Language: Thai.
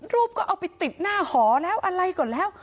รูปก็เอาไปติดหน้าหอแล้วอะไรก่อนแล้ว